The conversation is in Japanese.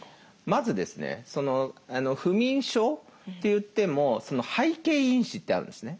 まずですね不眠症といっても背景因子ってあるんですね。